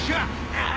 ああ！